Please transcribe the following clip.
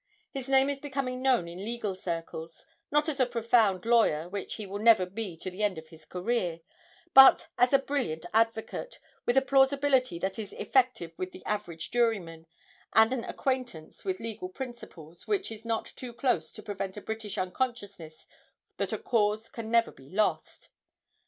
His name is becoming known in legal circles not as a profound lawyer, which he will never be to the end of his career, but as a brilliant advocate, with a plausibility that is effective with the average juryman, and an acquaintance with legal principles which is not too close to prevent a British unconsciousness that a cause can ever be lost.